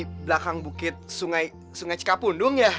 di belakang bukit sungai cikapundung ya